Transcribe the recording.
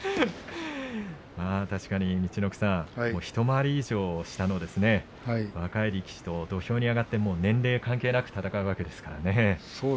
確かに、陸奥さん一回り以上、下の若い力士と土俵に上がって年齢関係なく戦うわけですからね。